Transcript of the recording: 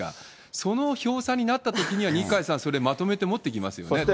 その票差になったときには、二階さん、それをまとめて持ってきますよね、当然。